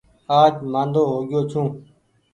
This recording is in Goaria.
آج مآندو هوگيو ڇون ۔